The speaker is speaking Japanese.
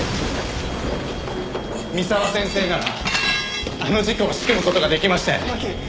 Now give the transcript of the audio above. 三沢先生ならあの事故を仕組む事ができましたよね。